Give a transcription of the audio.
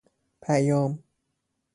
پیام